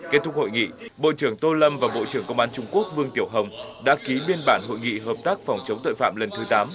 kết thúc hội nghị bộ trưởng tô lâm và bộ trưởng công an trung quốc vương tiểu hồng đã ký biên bản hội nghị hợp tác phòng chống tội phạm lần thứ tám